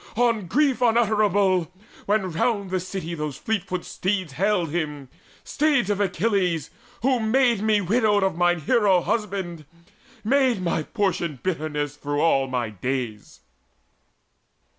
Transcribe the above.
on grief unutterable, When round the city those fleet footed steeds Haled him, steeds of Achilles, who had made Me widowed of mine hero husband, made My portion bitterness through all my days."